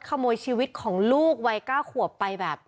ขโมยชีวิตของลูกวัย๙ขวบไปแบบ